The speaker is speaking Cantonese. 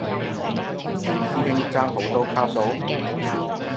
師兄爭好多卡數？